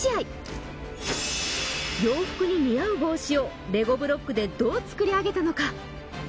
洋服に似合う帽子をレゴブロックでどう作り上げたのか？